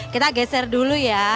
kita geser dulu ya